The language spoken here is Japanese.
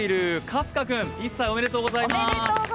１歳、おめでとうございます！